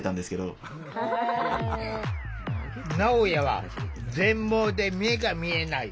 なおやは全盲で目が見えない。